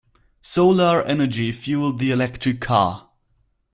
Solar energy fueled the electric car.